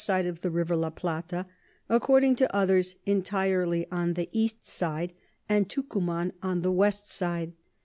side of the River La Plata; according to others, entirely on the E. side, and Tucuman on the W. side.